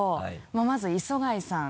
まず磯貝さん。